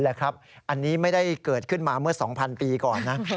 อันนี้ไม่ได้เกิดขึ้นมาเมื่อ๒๐๐ปีก่อนนะ